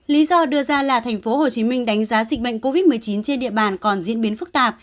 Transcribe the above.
lý do đưa ra là tp hcm đánh giá dịch bệnh covid một mươi chín trên địa bàn còn diễn biến phức tạp